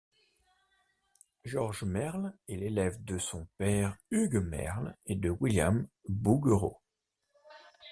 Georges Merle est l'élève de son père Hugues Merle et de William Bouguereau.